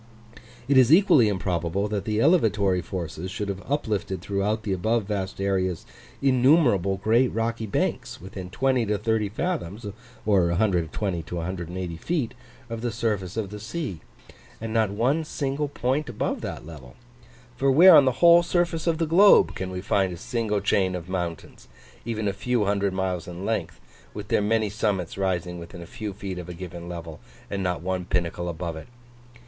It is equally improbable that the elevatory forces should have uplifted throughout the above vast areas, innumerable great rocky banks within 20 to 30 fathoms, or 120 to 180 feet, of the surface of the sea, and not one single point above that level; for where on the whole surface of the globe can we find a single chain of mountains, even a few hundred miles in length, with their many summits rising within a few feet of a given level, and not one pinnacle above it?